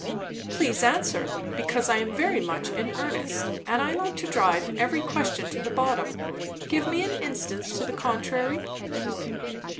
"Please answer, because I am very much in earnest; and I like to drive every question to the bottom. Give me an instance to the contrary."